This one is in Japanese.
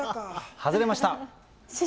外れました。